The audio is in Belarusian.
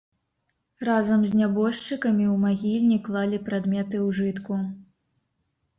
Разам з нябожчыкамі ў магільні клалі прадметы ўжытку.